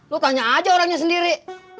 lu tanya aja orangnya sendiri